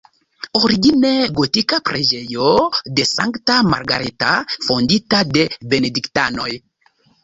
Origine gotika preĝejo de Sankta Margareta, fondita de benediktanoj.